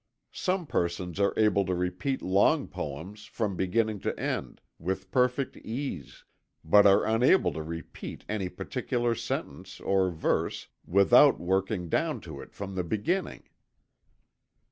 Some persons are able to repeat long poems from beginning to end, with perfect ease, but are unable to repeat any particular sentence, or verse, without working down to it from the beginning.